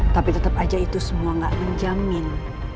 tapi tetap aja itu semua gak menjamin